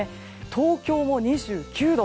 東京も２９度。